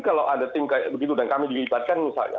kalau ada tim kayak begitu dan kami dilibatkan misalnya